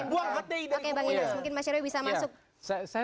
buang halifah dan buang hti dari kubu saya